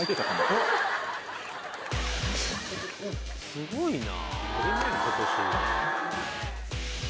すごいな。